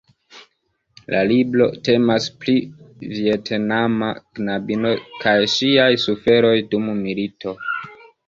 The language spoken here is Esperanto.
La libro temas pri vjetnama knabino kaj ŝiaj suferoj dum milito.